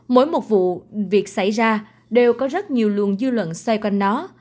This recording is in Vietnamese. mỗi một vụ việc xảy ra đều có rất nhiều luồng dư luận xoay quanh nó